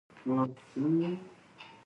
اوښ د افغان تاریخ په کتابونو کې ذکر شوی دي.